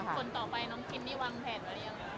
คนต่อไปน้องคิมนี่วางแผนไว้หรือยัง